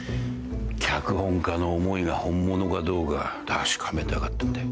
脚本家の思いが本物かどうか確かめたかったんだよ。